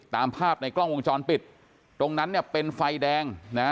ตามภาพในกล้องวงจรปิดตรงนั้นเนี่ยเป็นไฟแดงนะ